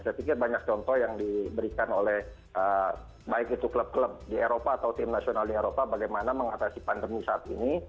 saya pikir banyak contoh yang diberikan oleh baik itu klub klub di eropa atau tim nasional di eropa bagaimana mengatasi pandemi saat ini